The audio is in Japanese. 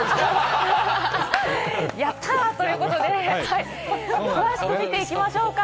やった！ということで、詳しく見ていきましょうか。